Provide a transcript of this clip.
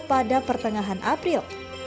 pada pertengahan april